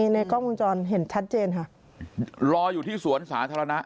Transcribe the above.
ในกล้องวงจรปิดเห็นชัดเจนค่ะรออยู่ที่สวนสาธารณะ